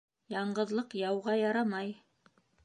Яңғыҙлыҡ яуға ярамай.